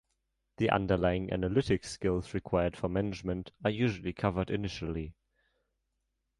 The underlying analytic skills required for management are usually covered initially.